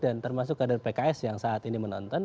dan termasuk ada pks yang saat ini menonton